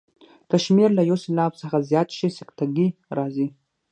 که شمېر له یو سېلاب څخه زیات شي سکته ګي راځي.